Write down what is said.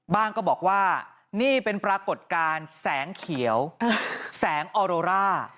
ก็บอกว่านี่เป็นปรากฏการณ์แสงเขียวแสงออโรร่า